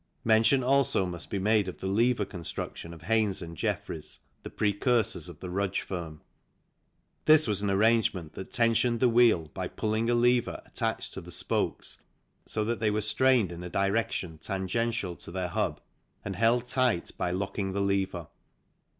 Mention also must be made of the lever construction of Haynes and Jeffries, the precursors of the Rudge firm. This was an arrangement that tensioned the wheel by pulling a lever attached to the spokes so that they were strained in a direction tangential to their hub and held tight by locking the 6 THE CYCLE INDUSTRY lever.